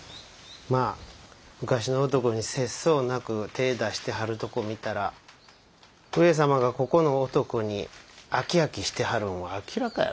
まぁ昔の男に節操なく手ぇ出してはるとこ見たら上様がここの男に飽き飽きしてはるんは明らかやろ？